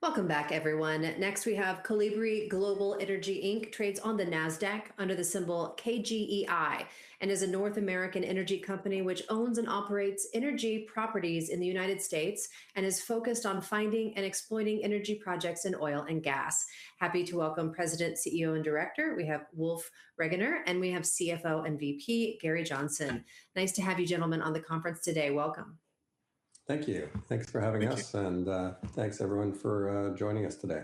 Welcome back, everyone. Next, we have Kolibri Global Energy Inc., trades on the NASDAQ under the symbol KGEI, and is a North American energy company which owns and operates energy properties in the U.S., and is focused on finding and exploiting energy projects in oil and gas. Happy to welcome President, CEO, and Director. We have Wolf Regener, and we have CFO and VP, Gary Johnson. Nice to have you gentlemen on the conference today. Welcome. Thank you. Thanks for having us. Thank you. Thanks everyone for joining us today.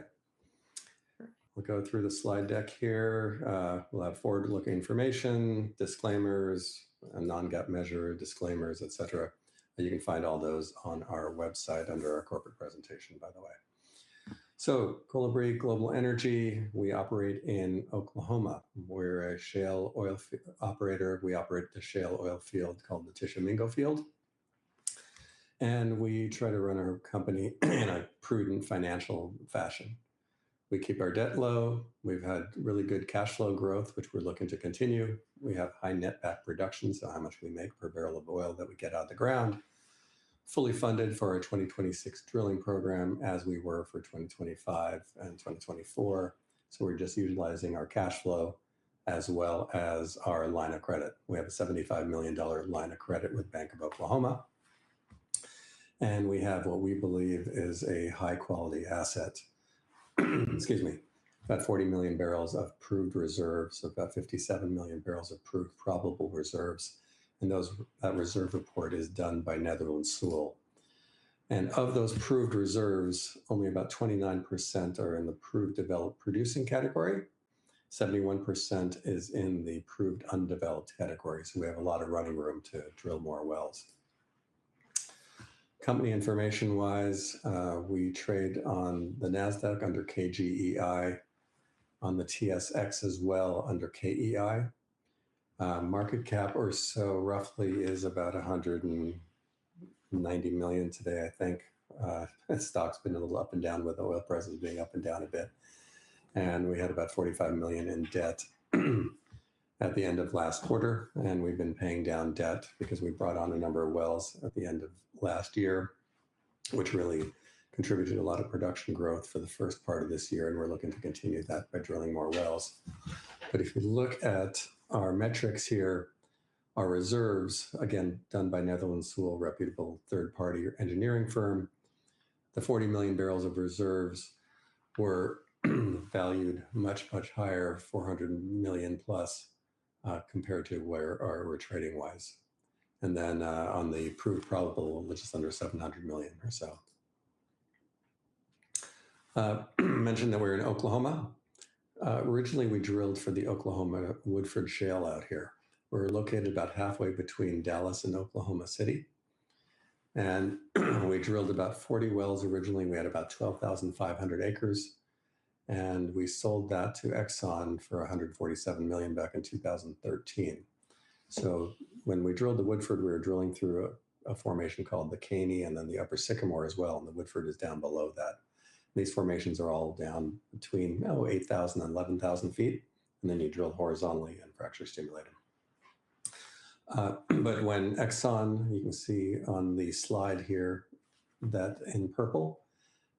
We'll go through the slide deck here. We'll have forward-looking information, disclaimers, non-GAAP measure disclaimers, et cetera. You can find all those on our website under our corporate presentation, by the way. Kolibri Global Energy, we operate in Oklahoma. We're a shale oil operator. We operate the shale oil field called the Tishomingo Field, and we try to run our company in a prudent financial fashion. We keep our debt low. We've had really good cash flow growth, which we're looking to continue. We have high net back production, so how much we make per barrel of oil that we get out of the ground. Fully funded for our 2026 drilling program, as we were for 2025 and 2024. We're just utilizing our cash flow as well as our line of credit. We have a $75 million line of credit with Bank of Oklahoma, we have what we believe is a high-quality asset. Excuse me. About 40 million barrels of proved reserves, about 57 million barrels of proved probable reserves, that reserve report is done by Netherland, Sewell. Of those proved reserves, only about 29% are in the proved developed producing category, 71% is in the proved undeveloped category. We have a lot of running room to drill more wells. Company information wise, we trade on the NASDAQ under KGEI, on the TSX as well under KEI. Market cap or so roughly is about $190 million today, I think. Stock's been a little up and down with oil prices being up and down a bit. We had about $45 million in debt at the end of last quarter, we've been paying down debt because we brought on a number of wells at the end of last year, which really contributed a lot of production growth for the first part of this year, we're looking to continue that by drilling more wells. If you look at our metrics here, our reserves, again, done by Netherland, Sewell, reputable third-party engineering firm. The 40 million barrels of reserves were valued much, much higher, $400 million-plus, compared to where we're trading wise. Then, on the proved probable, just under $700 million or so. Mentioned that we're in Oklahoma. Originally, we drilled for the Oklahoma Woodford Shale out here. We're located about halfway between Dallas and Oklahoma City, we drilled about 40 wells originally, we had about 12,500 acres. We sold that to Exxon for $147 million back in 2013. When we drilled the Woodford, we were drilling through a formation called the Caney, then the Upper Sycamore as well, the Woodford is down below that. These formations are all down between 8,000 and 11,000 ft, then you drill horizontally and fracture stimulate it. When Exxon, you can see on the slide here that in purple,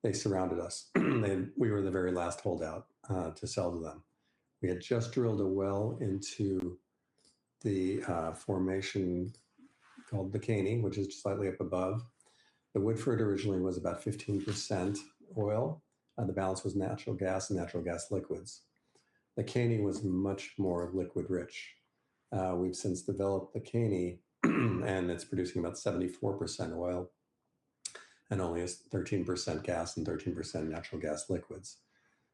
they surrounded us. We were the very last holdout to sell to them. We had just drilled a well into the formation called the Caney, which is slightly up above. The Woodford originally was about 15% oil. The balance was natural gas and natural gas liquids. The Caney was much more liquid rich. We've since developed the Caney, it's producing about 74% oil and only is 13% gas and 13% natural gas liquids.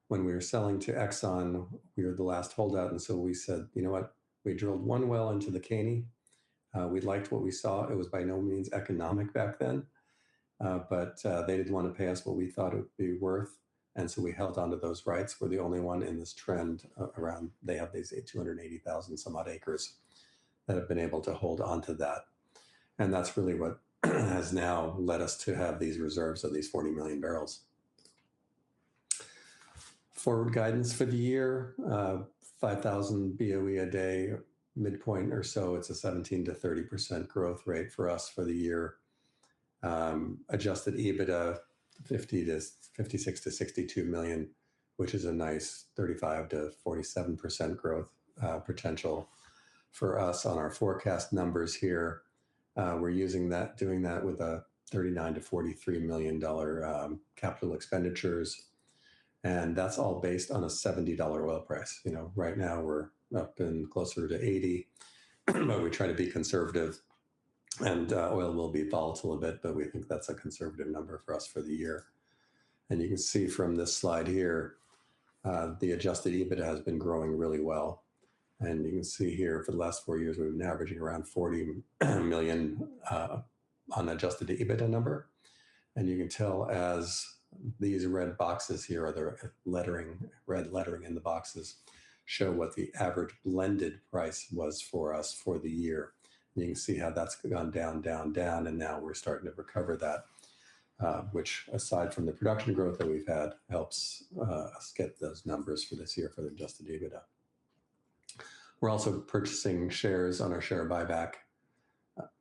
When we were selling to Exxon, we were the last holdout, we said, "You know what? We drilled one well into the Caney." We liked what we saw. It was by no means economic back then. They didn't want to pay us what we thought it would be worth, we held onto those rights. We're the only one in this trend around. They have these 280,000 some odd acres that have been able to hold onto that. That's really what has now led us to have these reserves of these 40 million barrels. Forward guidance for the year, 5,000 BOE a day midpoint or so. It's a 17%-30% growth rate for us for the year. Adjusted EBITDA, $56 million-$62 million, which is a nice 35%-47% growth potential for us on our forecast numbers here. We're doing that with a $39 million-$43 million capital expenditures, and that's all based on a $70 oil price. Right now, we're up and closer to $80, but we try to be conservative and oil will be volatile a bit, but we think that's a conservative number for us for the year. You can see from this slide here, the adjusted EBITDA has been growing really well, and you can see here for the last four years, we've been averaging around $40 million unadjusted EBITDA number. You can tell as these red boxes here, or the red lettering in the boxes, show what the average blended price was for us for the year. You can see how that's gone down, down, and now we're starting to recover that, which aside from the production growth that we've had, helps us get those numbers for this year for the adjusted EBITDA. We're also purchasing shares on our share buyback,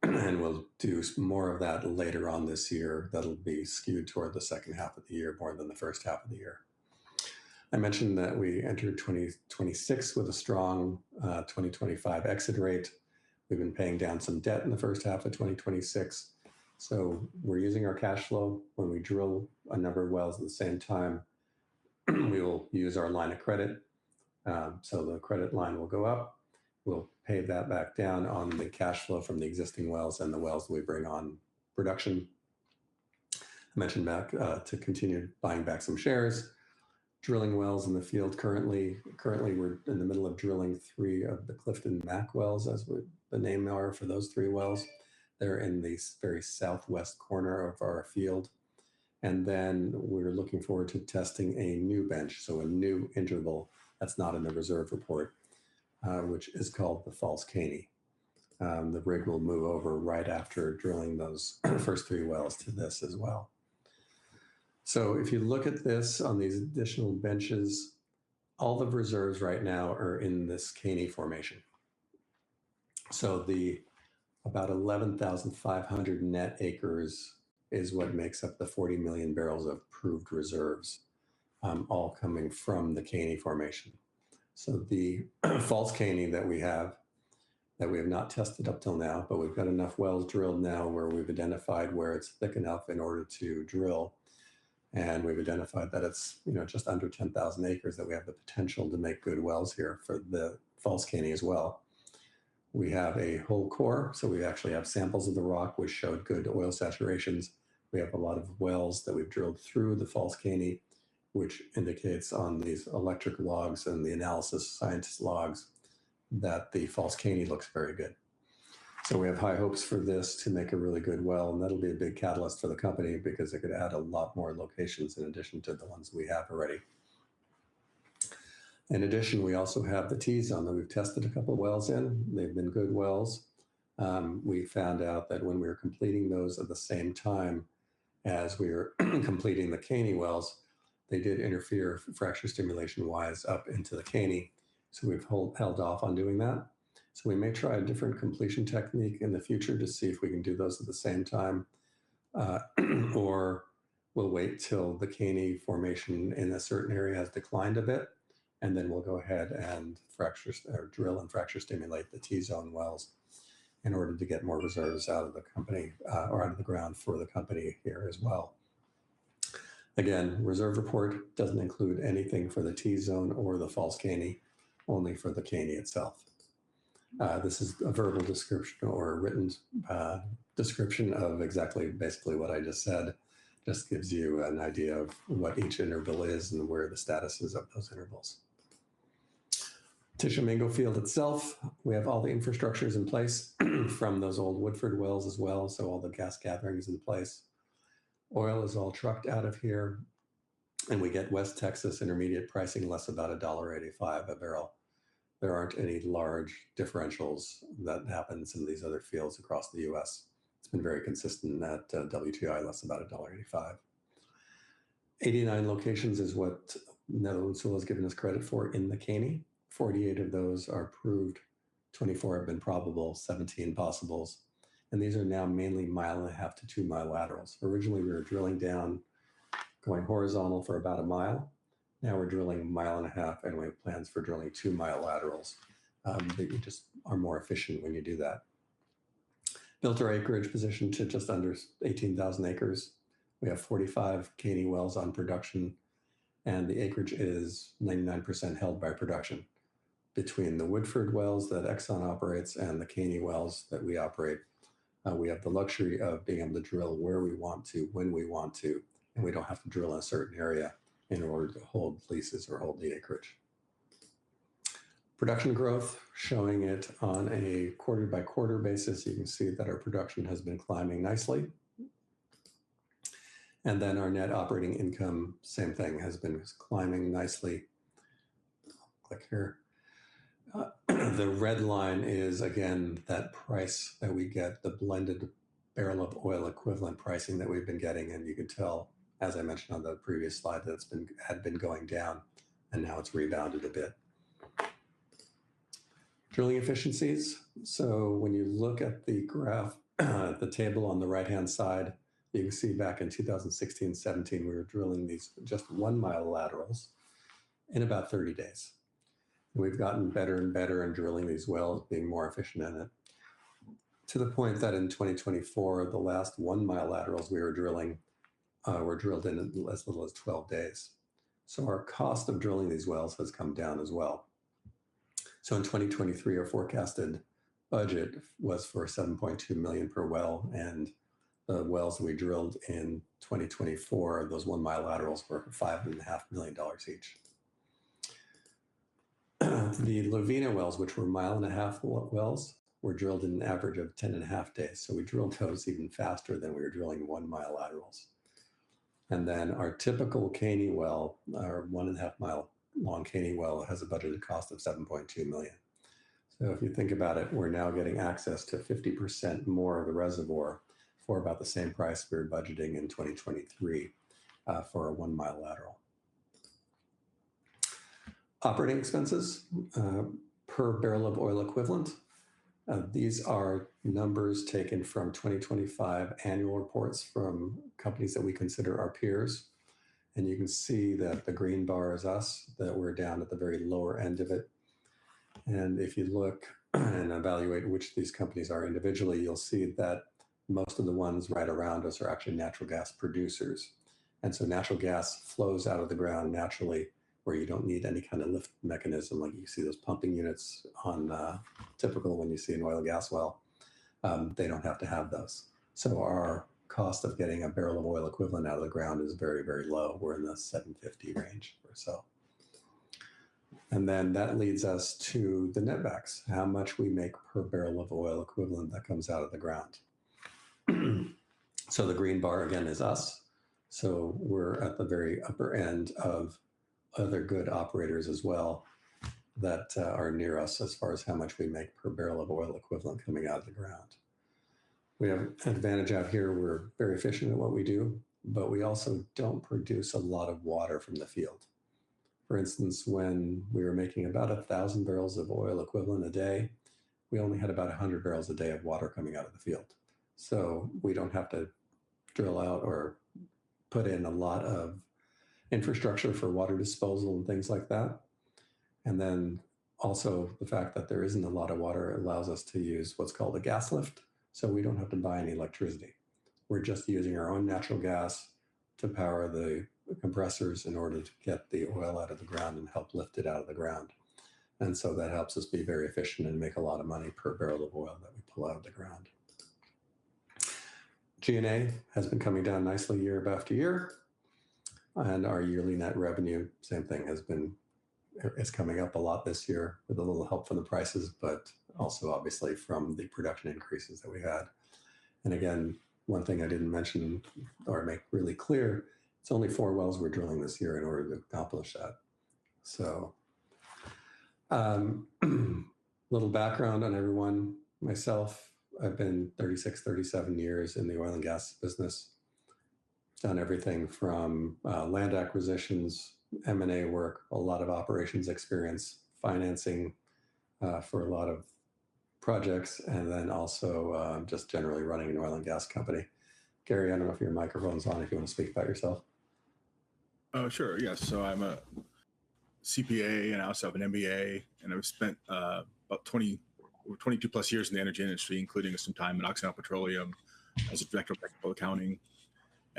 and we'll do more of that later on this year. That'll be skewed toward the second half of the year more than the first half of the year. I mentioned that we entered 2026 with a strong 2025 exit rate. We've been paying down some debt in the first half of 2026, so we're using our cash flow. When we drill a number of wells at the same time, we will use our line of credit. The credit line will go up. We'll pay that back down on the cash flow from the existing wells and the wells we bring on production. I mentioned back to continue buying back some shares, drilling wells in the field. Currently, we're in the middle of drilling three of the Clifton Mack wells, as the name are for those three wells that are in the very southwest corner of our field. We're looking forward to testing a new bench, so a new interval that's not in the reserve report, which is called the False Caney. The rig will move over right after drilling those first three wells to this as well. If you look at this on these additional benches, all the reserves right now are in this Caney formation. The about 11,500 net acres is what makes up the 40 million barrels of proved reserves, all coming from the Caney formation. The False Caney that we have, that we have not tested up till now, but we've got enough wells drilled now where we've identified where it's thick enough in order to drill. We've identified that it's just under 10,000 acres that we have the potential to make good wells here for the False Caney as well. We have a whole core, so we actually have samples of the rock which showed good oil saturations. We have a lot of wells that we've drilled through the False Caney, which indicates on these electric logs and the analysis seismic logs that the False Caney looks very good. We have high hopes for this to make a really good well, and that'll be a big catalyst for the company because it could add a lot more locations in addition to the ones we have already. In addition, we also have the T-zone that we've tested a couple wells in. They've been good wells. We found out that when we were completing those at the same time as we were completing the Caney wells, they did interfere fracture stimulation-wise up into the Caney. We've held off on doing that. We may try a different completion technique in the future to see if we can do those at the same time, or we'll wait till the Caney Formation in a certain area has declined a bit, then we'll go ahead and drill and fracture stimulate the T-zone wells in order to get more reserves out of the ground for the company here as well. Again, reserve report doesn't include anything for the T-zone or the False Caney, only for the Caney itself. This is a verbal description or a written description of exactly, basically what I just said. Just gives you an idea of what each interval is and where the status is of those intervals. Tishomingo Field itself, we have all the infrastructures in place from those old Woodford wells as well, all the gas gathering is in place. Oil is all trucked out of here, and we get West Texas Intermediate pricing less about $1.85 a barrel. There aren't any large differentials that happen in some of these other fields across the U.S. It's been very consistent in that WTI less about $1.85. 89 locations is what NSAI has given us credit for in the Caney. 48 of those are proved, 24 have been probable, 17 possibles, and these are now mainly mile and a half to two-mile laterals. Originally, we were drilling down, going horizontal for about a mile. Now we're drilling a mile and a half, and we have plans for drilling 2 mi laterals. They just are more efficient when you do that. Built our acreage position to just under 18,000 acres. We have 45 Caney wells on production, and the acreage is 99% held by production. Between the Woodford wells that Exxon operates and the Caney wells that we operate, we have the luxury of being able to drill where we want to, when we want to, and we don't have to drill a certain area in order to hold leases or hold the acreage. Production growth, showing it on a quarter-by-quarter basis. You can see that our production has been climbing nicely. Our net operating income, same thing, has been climbing nicely. Click here. The red line is, again, that price that we get, the blended barrel of oil equivalent pricing that we've been getting in. You could tell, as I mentioned on the previous slide, that had been going down and now it's rebounded a bit. Drilling efficiencies. When you look at the table on the right-hand side, you can see back in 2016 and 2017, we were drilling these just 1 mi laterals in about 30 days. We've gotten better and better in drilling these wells, being more efficient in it, to the point that in 2024, the last 1 mi laterals we were drilling were drilled in as little as 12 days. Our cost of drilling these wells has come down as well. In 2023, our forecasted budget was for $7.2 million per well, and the wells we drilled in 2024, those 1 mi laterals, were $5.5 million each. The Lovina wells, which were a mile and a half wells, were drilled in an average of 10.5 days. We drilled those even faster than we were drilling 1 mi laterals. Our typical Caney well, our 1.5 mi long Caney well, has a budgeted cost of $7.2 million. If you think about it, we're now getting access to 50% more of the reservoir for about the same price we were budgeting in 2023 for a 1 mi lateral. Operating expenses per barrel of oil equivalent. These are numbers taken from 2025 annual reports from companies that we consider our peers. You can see that the green bar is us, that we're down at the very lower end of it. If you look and evaluate which these companies are individually, you'll see that most of the ones right around us are actually natural gas producers. Natural gas flows out of the ground naturally, where you don't need any kind of lift mechanism like you see those pumping units typical when you see an oil and gas well. They don't have to have those. Our cost of getting a barrel of oil equivalent out of the ground is very, very low. We're in the $750 range or so. That leads us to the netbacks, how much we make per barrel of oil equivalent that comes out of the ground. The green bar, again, is us. We're at the very upper end of other good operators as well that are near us as far as how much we make per barrel of oil equivalent coming out of the ground. We have an advantage out here. We're very efficient at what we do, but we also don't produce a lot of water from the field. For instance, when we were making about 1,000 bbl of oil equivalent a day, we only had about 100 bbl a day of water coming out of the field. We don't have to drill out or put in a lot of infrastructure for water disposal and things like that. Also the fact that there isn't a lot of water allows us to use what's called a gas lift, we don't have to buy any electricity. We're just using our own natural gas to power the compressors in order to get the oil out of the ground and help lift it out of the ground. That helps us be very efficient and make a lot of money per barrel of oil that we pull out of the ground. G&A has been coming down nicely year after year. Our yearly net revenue, same thing, it's coming up a lot this year with a little help from the prices, but also obviously from the production increases that we had. Again, one thing I didn't mention or make really clear, it's only four wells we're drilling this year in order to accomplish that. A little background on everyone. Myself, I've been 36, 37 years in the oil and gas business. Done everything from land acquisitions, M&A work, a lot of operations experience, financing for a lot of projects, also just generally running an oil and gas company. Gary, I don't know if your microphone's on, if you want to speak about yourself. Sure. Yeah. I'm a CPA and I also have an MBA, I've spent about 22+ years in the energy industry, including some time at Occidental Petroleum as a director of accounting.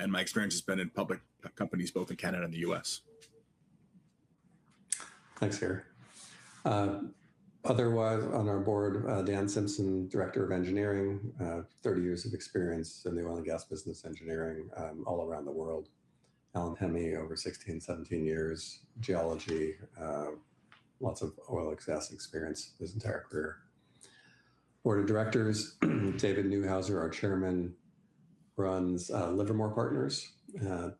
My experience has been in public companies both in Canada and the U.S. Thanks, Gary. Otherwise, on our board, Dan Simpson, Director of Engineering, 30 years of experience in the oil and gas business engineering all around the world. Allan Hemmy, over 16, 17 years, geology. Lots of oil and gas experience his entire career. Board of directors. David Neuhauser, our Chairman, runs Livermore Partners.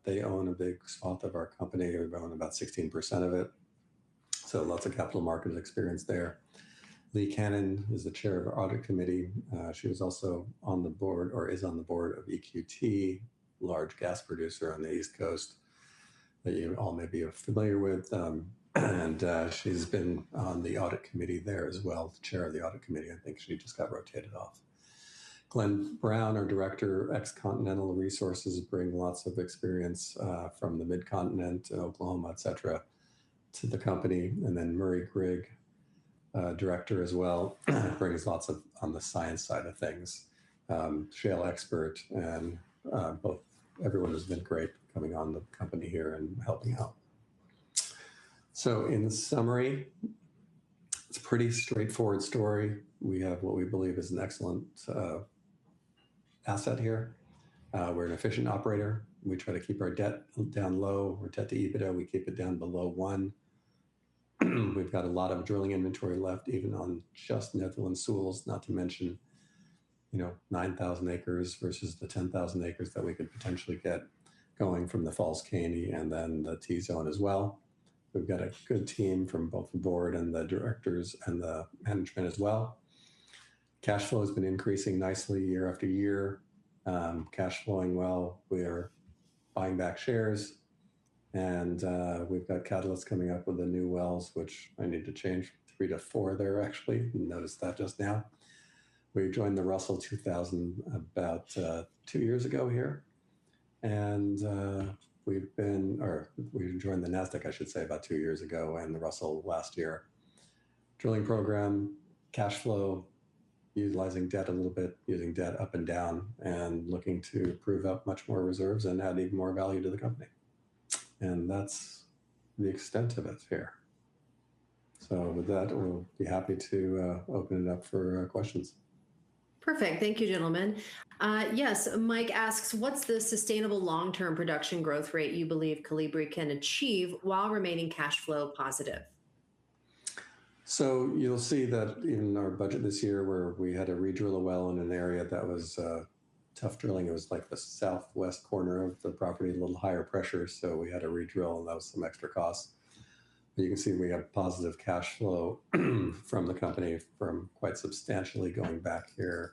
They own a big swath of our company. They own about 16% of it. Lots of capital markets experience there. Lee Canaan is the Chair of our audit committee. She was also on the board, or is on the board of EQT, large gas producer on the East Coast that you all may be familiar with. She's been on the audit committee there as well, the Chair of the audit committee. I think she just got rotated off. Glen Brown, our Director, ex-Continental Resources, bring lots of experience from the Mid-Continent and Oklahoma, et cetera, to the company. Murray Grigg, Director as well, brings lots of on the science side of things. Shale expert everyone has been great coming on the company here and helping out. In summary, it's a pretty straightforward story. We have what we believe is an excellent asset here. We're an efficient operator. We try to keep our debt down low. Our debt to EBITDA, we keep it down below one. We've got a lot of drilling inventory left, even on just Netherland Sewell, not to mention 9,000 acres versus the 10,000 acres that we could potentially get going from the False Caney and then the T-zone as well. We've got a good team from both the board and the directors and the management as well. Cash flow has been increasing nicely year after year. Cash flowing well. We are buying back shares. We've got catalysts coming up with the new wells, which I need to change from three to four there, actually. Noticed that just now. We joined the Russell 2000 about two years ago here. We joined the NASDAQ, I should say, about two years ago, and the Russell last year. Drilling program, cash flow, utilizing debt a little bit, using debt up and down, and looking to prove up much more reserves and add even more value to the company. That's the extent of it here. With that, we'll be happy to open it up for questions. Perfect. Thank you, gentlemen. Yes. Mike asks, "What's the sustainable long-term production growth rate you believe Kolibri can achieve while remaining cash flow positive? You'll see that in our budget this year, where we had to redrill a well in an area that was tough drilling. It was the southwest corner of the property, a little higher pressure, so we had to redrill, and that was some extra cost. You can see we have positive cash flow from the company from quite substantially going back here.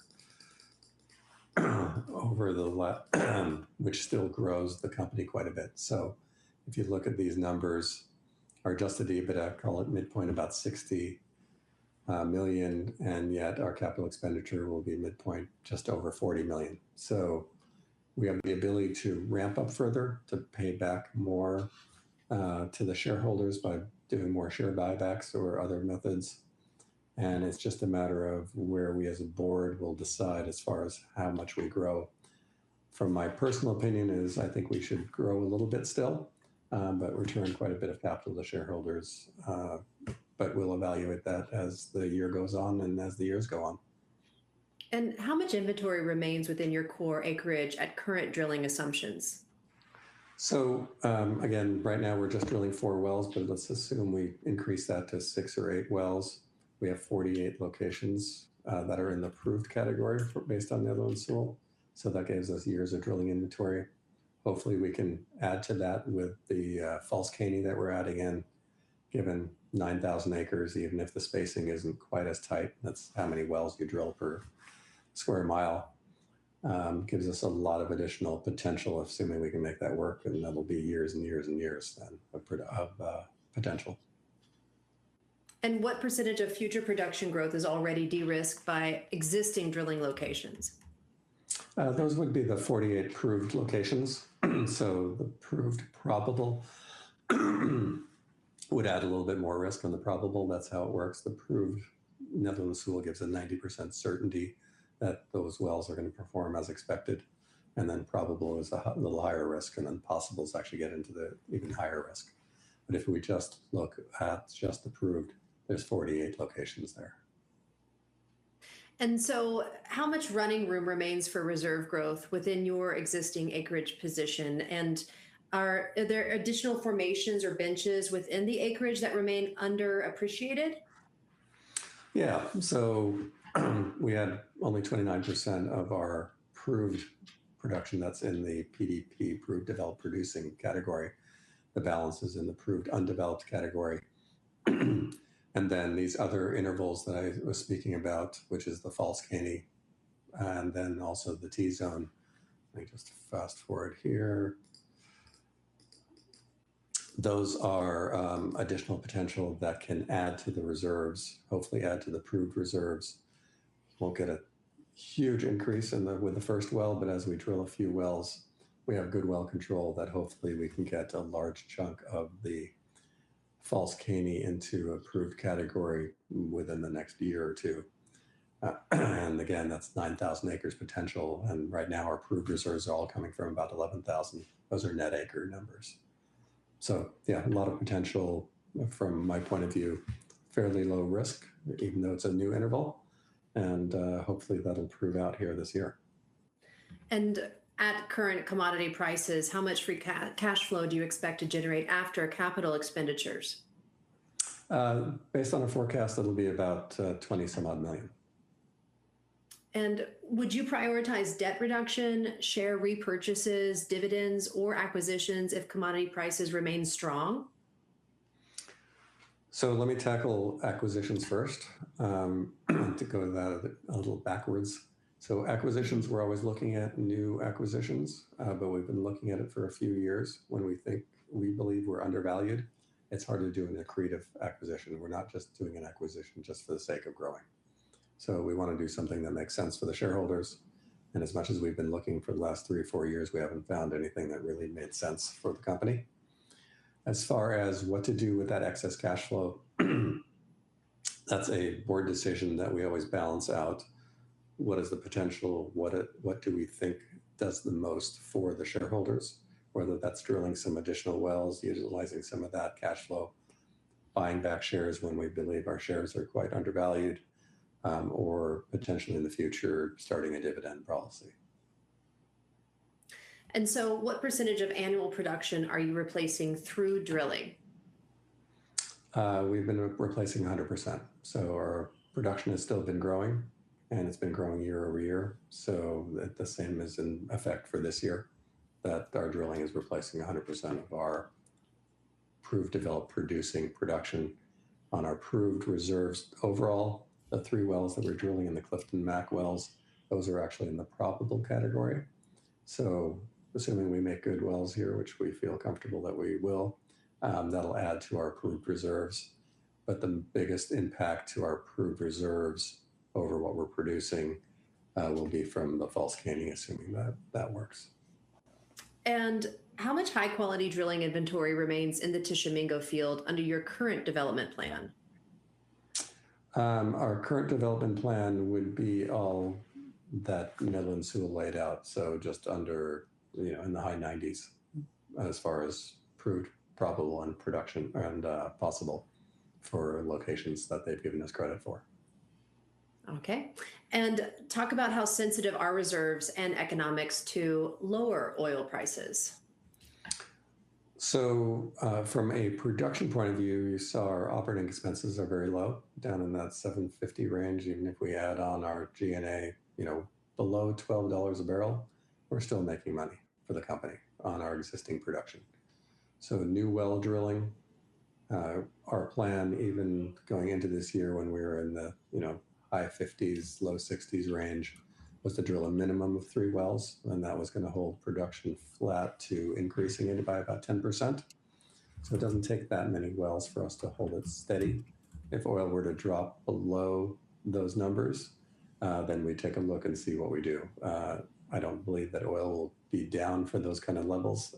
over the left, which still grows the company quite a bit. If you look at these numbers, our adjusted EBITDA, call it midpoint about $60 million, and yet our capital expenditure will be midpoint just over $40 million. We have the ability to ramp up further to pay back more to the shareholders by doing more share buybacks or other methods. It's just a matter of where we as a board will decide as far as how much we grow. From my personal opinion is I think we should grow a little bit still. We're returning quite a bit of capital to shareholders. We'll evaluate that as the year goes on and as the years go on. How much inventory remains within your core acreage at current drilling assumptions? Again, right now we're just drilling four wells, but let's assume we increase that to six or eight wells. We have 48 locations that are in the proved category based on Netherland, Sewell. That gives us years of drilling inventory. Hopefully, we can add to that with the False Caney that we're adding in, given 9,000 acres, even if the spacing isn't quite as tight. That's how many wells you drill per square mile. Gives us a lot of additional potential, assuming we can make that work, and that'll be years and years and years then of potential. What percentage of future production growth is already de-risked by existing drilling locations? Those would be the 48 proved locations. The proved probable would add a little bit more risk on the probable. That's how it works. The proved Netherland, Sewell gives a 90% certainty that those wells are going to perform as expected, then probable is a little higher risk, then possible is actually get into the even higher risk. If we just look at just the proved, there's 48 locations there. How much running room remains for reserve growth within your existing acreage position? Are there additional formations or benches within the acreage that remain underappreciated? Yeah. We had only 29% of our proved production that's in the PDP, proved developed producing category. The balance is in the proved undeveloped category. These other intervals that I was speaking about, which is the False Caney, and also the T-zone. Let me just fast-forward here. Those are additional potential that can add to the reserves. Hopefully add to the proved reserves. Won't get a huge increase with the first well, but as we drill a few wells, we have good well control that hopefully we can get a large chunk of the False Caney into a proved category within the next year or two. That's 9,000 acres potential, and right now our proved reserves are all coming from about 11,000. Those are net acre numbers. Yeah, a lot of potential from my point of view. Fairly low risk, even though it's a new interval, and hopefully that'll prove out here this year. At current commodity prices, how much free cash flow do you expect to generate after capital expenditures? Based on our forecast, it'll be about $20 some odd million. Would you prioritize debt reduction, share repurchases, dividends, or acquisitions if commodity prices remain strong? Let me tackle acquisitions first, to go at that a little backwards. Acquisitions, we're always looking at new acquisitions, but we've been looking at it for a few years when we think we believe we're undervalued. It's hard to do an accretive acquisition. We're not just doing an acquisition just for the sake of growing. We want to do something that makes sense for the shareholders. As much as we've been looking for the last three or four years, we haven't found anything that really made sense for the company. As far as what to do with that excess cash flow, that's a board decision that we always balance out. What is the potential? What do we think does the most for the shareholders? Whether that's drilling some additional wells, utilizing some of that cash flow, buying back shares when we believe our shares are quite undervalued, or potentially in the future, starting a dividend policy. What percentage of annual production are you replacing through drilling? We've been replacing 100%. Our production has still been growing, and it's been growing year-over-year, the same is in effect for this year that our drilling is replacing 100% of our proved developed producing production on our proved reserves. Overall, the three wells that we're drilling in the Clifton Mack wells, those are actually in the probable category. Assuming we make good wells here, which we feel comfortable that we will, that'll add to our proved reserves. The biggest impact to our proved reserves over what we're producing will be from the False Caney, assuming that that works. How much high-quality drilling inventory remains in the Tishomingo field under your current development plan? Our current development plan would be all that Netherland, Sewell laid out, just under in the high 90s as far as proved probable on production and possible for locations that they've given us credit for. Okay. Talk about how sensitive are reserves and economics to lower oil prices. From a production point of view, you saw our operating expenses are very low, down in that $7.50 range, even if we add on our G&A. Below $12 a barrel, we're still making money for the company on our existing production. New well drilling. Our plan even going into this year when we were in the high 50s, low 60s range, was to drill a minimum of three wells, and that was going to hold production flat to increasing it by about 10%. It doesn't take that many wells for us to hold it steady. If oil were to drop below those numbers, then we'd take a look and see what we do. I don't believe that oil will be down for those kind of levels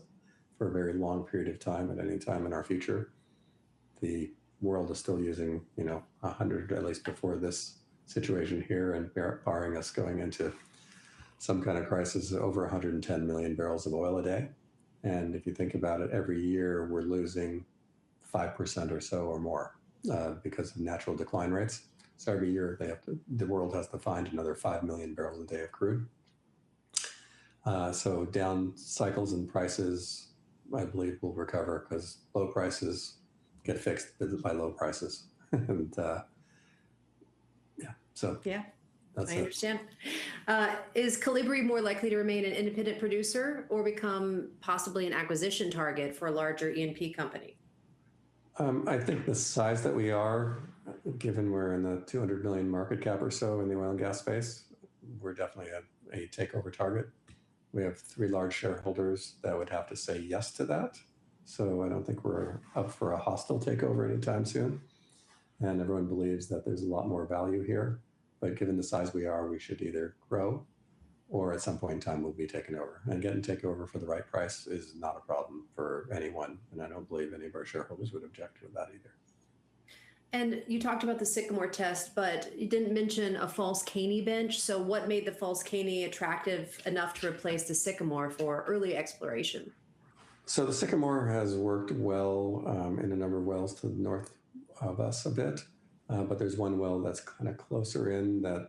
for a very long period of time at any time in our future. The world is still using 100, at least before this situation here and barring us going into some kind of crisis, over 110 million barrels of oil a day. If you think about it, every year we're losing 5% or so or more because of natural decline rates. Every year the world has to find another 5 million barrels a day of crude. Down cycles in prices, I believe will recover because low prices get fixed by low prices. Yeah. That's it. I understand. Is Kolibri more likely to remain an independent producer or become possibly an acquisition target for a larger E&P company? I think the size that we are, given we're in the $200 million market cap or so in the oil and gas space, we're definitely a takeover target. We have three large shareholders that would have to say yes to that. I don't think we're up for a hostile takeover anytime soon. Everyone believes that there's a lot more value here. Given the size we are, we should either grow or at some point in time we'll be taken over. Getting taken over for the right price is not a problem for anyone, and I don't believe any of our shareholders would object to that either. You talked about the Sycamore test, but you didn't mention a False Caney bench. What made the False Caney attractive enough to replace the Sycamore for early exploration? The Sycamore has worked well in a number of wells to the north of us a bit. There's one well that's kind of closer in that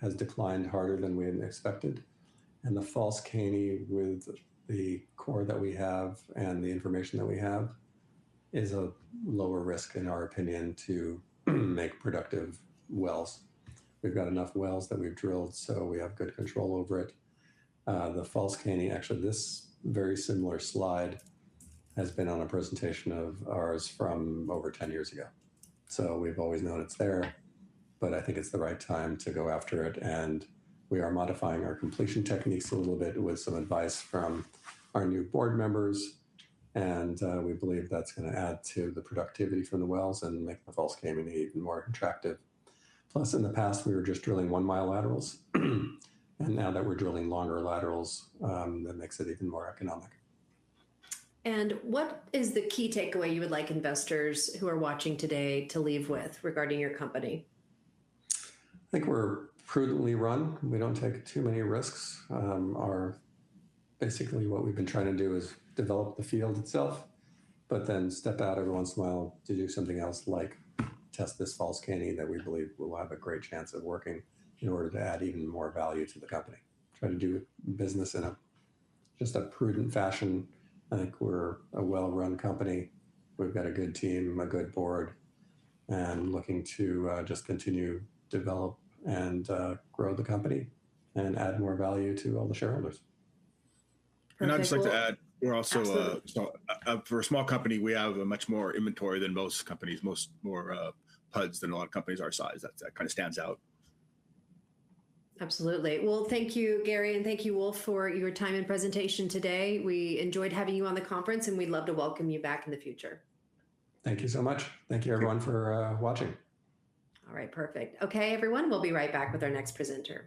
has declined harder than we had expected. The False Caney with the core that we have and the information that we have, is a lower risk in our opinion to make productive wells. We've got enough wells that we've drilled, so we have good control over it. The False Caney, actually, this very similar slide has been on a presentation of ours from over 10 years ago. We've always known it's there, but I think it's the right time to go after it and we are modifying our completion techniques a little bit with some advice from our new board members, and we believe that's going to add to the productivity from the wells and make the False Caney even more attractive. Plus, in the past, we were just drilling 1 mi laterals. Now that we're drilling longer laterals, that makes it even more economic. What is the key takeaway you would like investors who are watching today to leave with regarding your company? I think we're prudently run. We don't take too many risks. Basically what we've been trying to do is develop the field itself, but then step out every once in a while to do something else like test this False Caney that we believe will have a great chance of working in order to add even more value to the company. Try to do business in just a prudent fashion. I think we're a well-run company. We've got a good team, a good board, and looking to just continue, develop, and grow the company and add more value to all the shareholders. Perfect. I'd just like to add - Absolutely. - for a small company, we have much more inventory than most companies, more PUDs than a lot of companies our size. That kind of stands out. Absolutely. Well, thank you, Gary, and thank you, Wolf, for your time and presentation today. We enjoyed having you on the conference, and we'd love to welcome you back in the future. Thank you so much. Thank you everyone for watching. All right. Perfect. Okay, everyone, we'll be right back with our next presenter